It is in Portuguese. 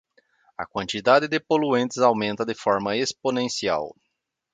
A quantidade de poluentes aumenta de forma exponencial.